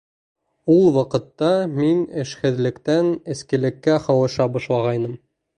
Ул ваҡытта мин эшһеҙлектән эскелеккә һалыша башлағайным.